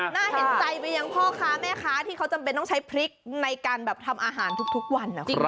น่าเห็นใจไปยังพ่อค้าแม่ค้าที่เขาจำเป็นต้องใช้พริกในการแบบทำอาหารทุกวันนะ